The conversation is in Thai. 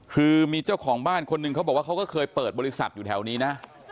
คือมีเจ้าของบ้านคนหนึ่งเขาบอกว่าเขาก็เคยเปิดบริษัทอยู่แถวนี้นะ